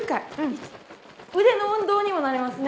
腕の運動にもなりますね。